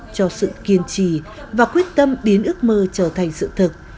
cho sự kiên trì và quyết tâm biến ước mơ trở thành sự thực